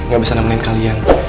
gak bisa nemenin kalian